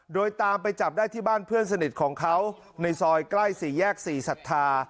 โดยตามไปจับได้ที่บ้านเพื่อนสนิทของเขาในซอยใกล้สี่แยก๔ศรัทธา